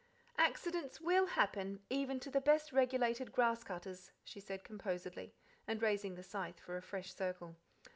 "Accidents WILL happen, even to the best regulated grass cutters," she said composedly, and raising the scythe for a fresh circle.